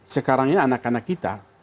sekarang ini anak anak kita